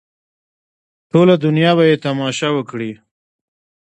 ټوله دنیا به یې تماشه وکړي.